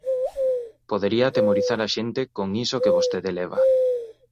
Podería atemorizar a xente con iso que vostede leva.